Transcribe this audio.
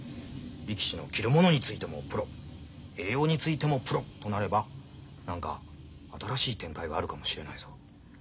力士の着るものについてもプロ栄養についてもプロとなれば何か新しい展開があるかもしれないぞ。